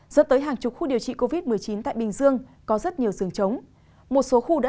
dẫn tới hàng chục khu điều trị covid một mươi chín tại bình dương có rất nhiều giường chống một số khu đã